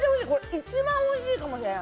一番おいしいかもしれない。